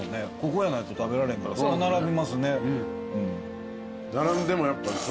ここやないと食べられへんからそら並びますね。